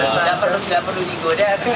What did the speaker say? tidak perlu digodat